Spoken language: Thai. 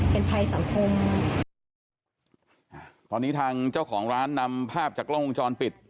เป็นภัยสังคมอ่าตอนนี้ทางเจ้าของร้านนำภาพจากกล้องวงจรปิด